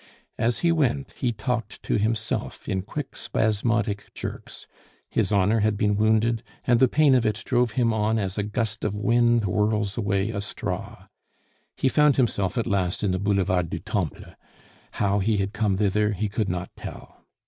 As he went he talked to himself in quick spasmodic jerks; his honor had been wounded, and the pain of it drove him on as a gust of wind whirls away a straw. He found himself at last in the Boulevard du Temple; how he had come thither he could not tell.